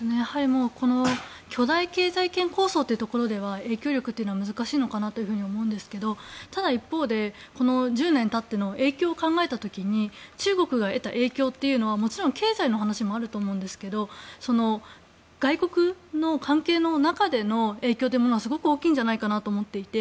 巨大経済圏構想というところでは影響力は難しいのかなと思うんですけれどもただ一方で、この１０年経っての影響を考えた時に中国が得た影響というのはもちろん経済の話もあると思うんですけど外国の関係の中での影響というのがすごく大きいんじゃないかなと思っていて。